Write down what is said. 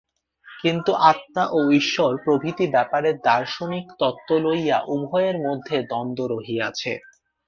কিন্তু আত্মা ও ঈশ্বর প্রভৃতি ব্যাপারে দার্শনিক তত্ত্ব লইয়া উভয়ের মধ্যে দ্বন্দ্ব রহিয়াছে।